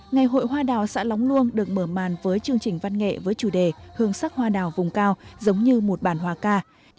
ngày hội hoa đào xã lóng luông được mở màn với chương trình văn nghệ với chủ đề hương sắc hoa đào vùng cao giống như một bản hoa ca